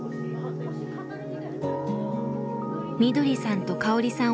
みどりさんと香織さん